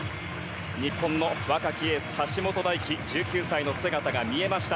日本の若きエース橋本大輝、１９歳の姿が見えました。